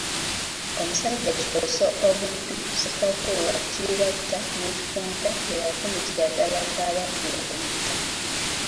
Omusajja Kikoso omuddu Ssekafuuwa, Kiribata ne Kikunta, ye yafumitira ddala Kyabaggu okumutta.